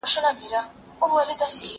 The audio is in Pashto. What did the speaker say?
زه له سهاره مځکي ته ګورم،